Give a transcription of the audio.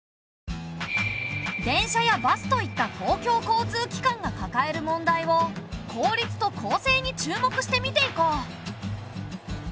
電車やバスといった公共交通機関がかかえる問題を効率と公正に注目して見ていこう。